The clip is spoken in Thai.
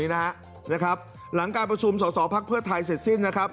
นะครับหลังการประชุมศาสตรพกเผือไทยเสร็จสิ้นนะครับ